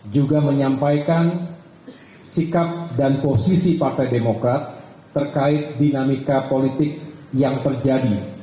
juga menyampaikan sikap dan posisi partai demokrat terkait dinamika politik yang terjadi